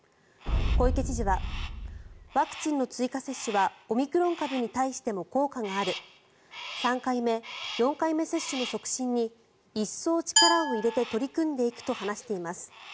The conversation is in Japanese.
小池知事はワクチンの追加接種はオミクロン株に対しても効果がある３回目、４回目接種の促進に一層力を入れて取り組んでいくと話しています。